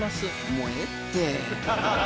もうええって！